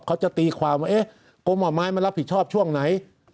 เขาจะตีความว่ากรมปัจมายมันรับผิดชอบช่วงไหน